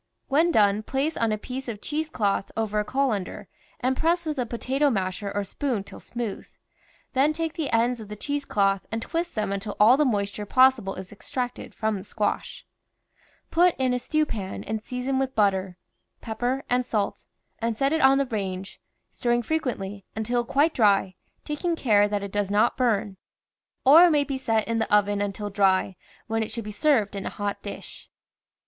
When done, place on a piece of cheese cloth over a colander and press w^ith a po tato masher or spoon till smooth ; then take the ends of the cheese cloth and twist them until all the mois ture possible is extracted from the squash. Put in a stew pan and season with butter, pep per and salt, and set it on the range, stirring fre quently, until quite dry, taking care that it does not burn. Or it may be set in the oven until dry, when it should be served in a hot dish.